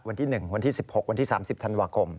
วันที่๑วันที่๑๖วันที่๓๐ธันวาคม